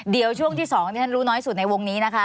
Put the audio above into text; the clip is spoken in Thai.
เดี๋ยวช่วงที่๒ที่ฉันรู้น้อยสุดในวงนี้นะคะ